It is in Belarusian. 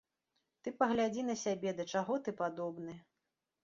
Ты паглядзі на сябе, да чаго ты падобны.